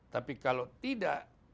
tapi kalau tidak